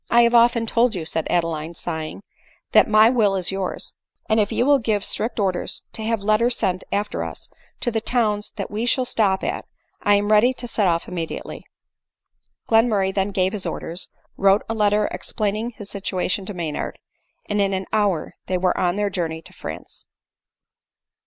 1 have often told you," said Adeline sighing, " that my will is yours ; and if you will give strict orders to have letters sent after us to the towns that we shall stop at, I am ready to set off immediately." Glenmurray then gave his orders ; wrote a letter ex plaining his situation to Maynard, and in an hour they were on their journey to France.